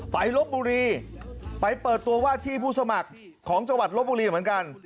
ลบบุรีไปเปิดตัวว่าที่ผู้สมัครของจังหวัดลบบุรีเหมือนกัน